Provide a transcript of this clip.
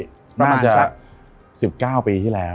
ประมาณจะ๑๙ปีที่แล้ว